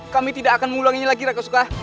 kami tidak akan mengulanginya lagi raga soka